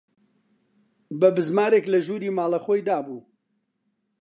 بە بزمارێک لە ژووری ماڵە خۆی دابوو